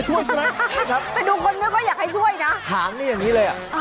สกิดยิ้ม